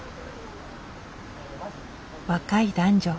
若い男女。